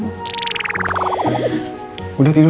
udah tahan nah tidur